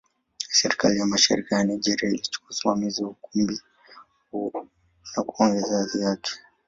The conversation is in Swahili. Serikali ya Mashariki ya Nigeria ilichukua usimamizi wa ukumbi huo na kuongeza hadhi yake.